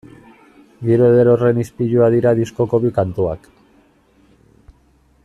Giro eder horren ispilua dira diskoko bi kantuak.